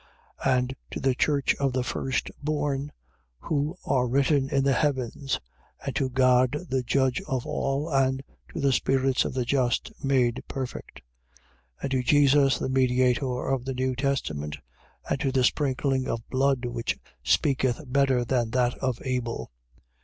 And to the church of the firstborn who are written in the heavens, and to God the judge of all, and to the spirits of the just made perfect, 12:24. And to Jesus the mediator of the new testament, and to the sprinkling of blood which speaketh better than that of Abel.